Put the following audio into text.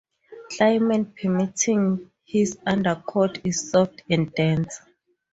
Climate permitting, his undercoat is soft and dense.